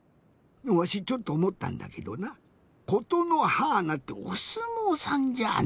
わしちょっとおもったんだけどな「ことのはーな」っておすもうさんじゃあない？